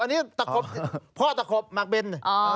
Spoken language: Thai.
อันนี้ตะขบพ่อตะขบหมักเบน